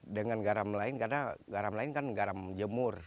dengan garam lain karena garam lain kan garam jemur